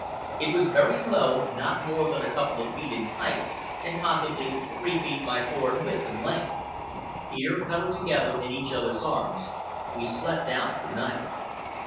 It was very low—not more than a couple of feet in height, and possibly three feet by four in width and length. Here, cuddled together in each other's arms, we slept out the night.